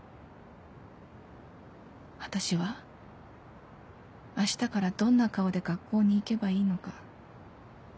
私は明日からどんな顔で学校に行けばいいのか